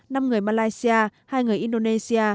năm người malaysia hai người indonesia